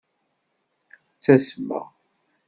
Ttasmeɣ.